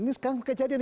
ini sekarang kejadian